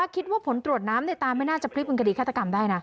ควรอการอธิฆฏกรรมได้นะ